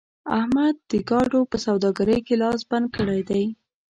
احمد د ګاډو په سوداګرۍ کې لاس بند کړی دی.